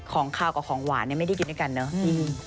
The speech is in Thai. ของขาวกับของหวานไม่ได้กินกันเนาะพี่